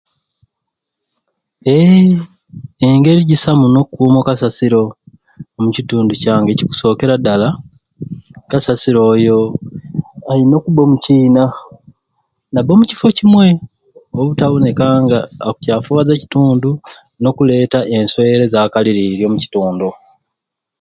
Eeeh engeri gyisai muno okukuma okasasiro omu kitundu kyange ekikusokera ddala okasasiro oyo ayina okuba omu kyina naba omu kifo kimwei obutaboneka nga akukyafuwaza ekitundu nokuleeta ensowera ezakalirirye omu kitundu